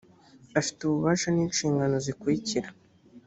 afite ububasha n’inshingano zikurikira